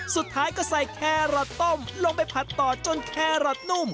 สุดท้ายก็ใส่แครอทต้มลงไปผัดต่อจนแครอทนุ่ม